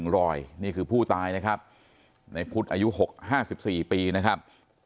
๑รอยนี่คือผู้ตายนะครับในพุทธอายุหกห้าสิบสี่ปีนะครับ